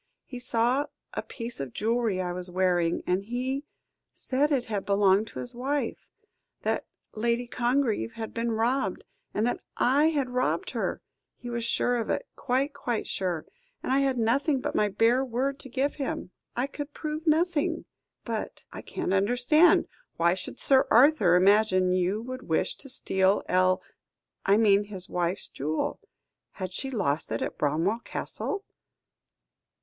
"He saw a piece of jewellery I was wearing, and he said it had belonged to his wife that Lady Congreve had been robbed, and that I had robbed her. He was sure of it, quite, quite sure, and I had nothing but my bare word to give him; I could prove nothing." "But I can't understand. Why should Sir Arthur imagine you would wish to steal El I mean his wife's jewel. Had she lost it at Bramwell Castle?"